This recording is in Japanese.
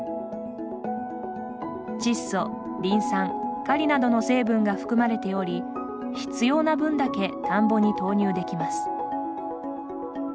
窒素、リン酸、カリなどの成分が含まれており必要な分だけ田んぼに投入できます。